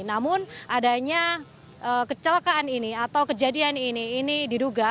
namun adanya kecelakaan ini atau kejadian ini ini diduga